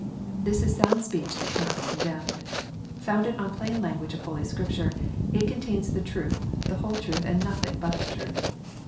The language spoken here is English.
This is sound speech that cannot be condemned. Founded on plain language of Holy Scripture, it contains the truth, the whole truth, and nothing but the truth.